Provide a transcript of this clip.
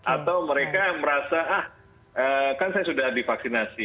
atau mereka merasa ah kan saya sudah divaksinasi